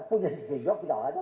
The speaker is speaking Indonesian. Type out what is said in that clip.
punya si sejok tidak ada